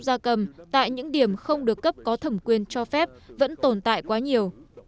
gia cầm tại những điểm không được cấp có thẩm quyền cho phép vẫn tồn tại quá nhiều